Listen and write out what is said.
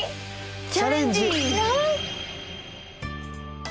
チャレンジ！